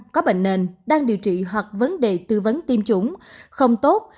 có bệnh nền đang điều trị hoặc vấn đề tư vấn tiêm chủng không tốt